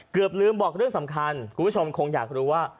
เกือบลืมบอกเรื่องสำคัญคุณผู้ชมคงอยากรู้ว่า